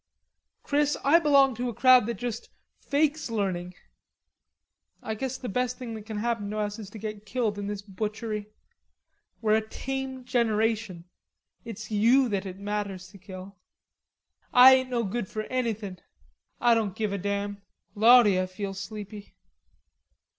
Chris, I belong to a crowd that just fakes learning. I guess the best thing that can happen to us is to get killed in this butchery. We're a tame generation.... It's you that it matters to kill." "Ah ain't no good for anythin'.... Ah doan give a damn.... Lawsee, Ah feel sleepy."